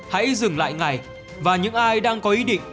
hãy dừng lại ngày và những ai đang có ý định